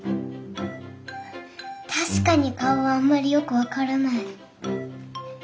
確かに顔はあんまりよく分からない。